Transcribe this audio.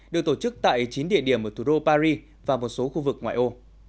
được tổ chức tại chín địa điểm ở thủ đô paris và một số khu vực ngoại ô